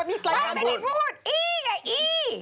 อี้ไงอี้